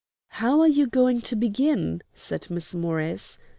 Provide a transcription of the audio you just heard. "How are you going to begin?" said Miss Morris.